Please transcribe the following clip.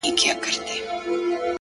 • په میوندونو کي د زغرو قدر څه پیژني,